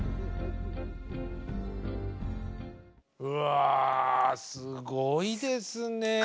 うわすごいですね。